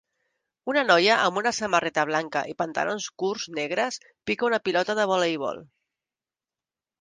Una noia amb una samarreta blanca i pantalons curts negres pica una pilota de voleibol.